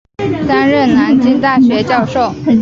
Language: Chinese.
担任南京大学教授。